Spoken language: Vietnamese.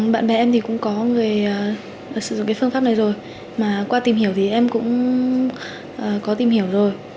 bạn bè em thì cũng có người sử dụng cái phương pháp này rồi mà qua tìm hiểu thì em cũng có tìm hiểu rồi